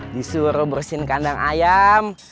disuruh bersihin kandang ayam